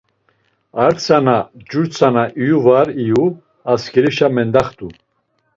A tzana cu tzana iyu var iyu asǩerişa mendaxt̆u.